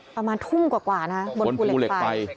ประมาณทุ่มกว่านะบนภูเหล็กไฟ